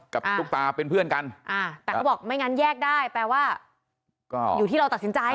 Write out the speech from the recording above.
ตุ๊กตาเป็นเพื่อนกันอ่าแต่เขาบอกไม่งั้นแยกได้แปลว่าก็อยู่ที่เราตัดสินใจ